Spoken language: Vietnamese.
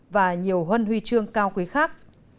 và nhiều huân huy trương cao quý khác